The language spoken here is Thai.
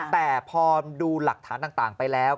แต่พอดูหลักฐานต่างไปแล้ว